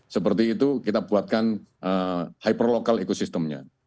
seperti itu kita buatkan hyper local ecosystemnya